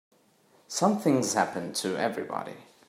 Something's happened to everybody.